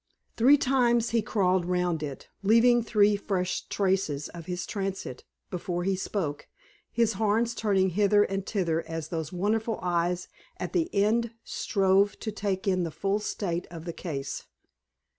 Three times he crawled round it, leaving three fresh traces of his transit, before he spoke, his horns turning hither and thither as those wonderful eyes at the end strove to take in the full state of the case.